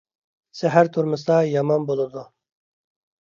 سەھەر تۇرمىسا يامان بولىدۇ.